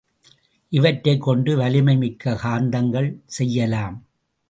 இவற்றைக் கொண்டு வலிமை மிக்க காந்தங்கள் செய்யலாம்.